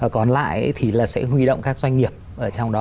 còn lại thì sẽ huy động các doanh nghiệp trong đó